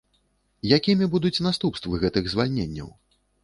Якімі будуць наступствы гэтых звальненняў?